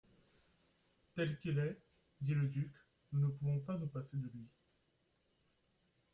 «Tel qu'il est, dit le duc, nous ne pouvons pas nous passer de lui.